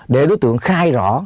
để đối tượng khai rõ